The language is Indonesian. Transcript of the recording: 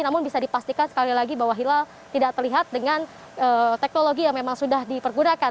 namun bisa dipastikan sekali lagi bahwa hilal tidak terlihat dengan teknologi yang memang sudah dipergunakan